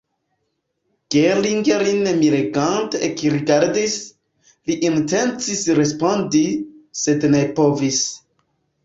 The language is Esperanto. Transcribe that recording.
Gering lin miregante ekrigardis; li intencis respondi, sed ne povis.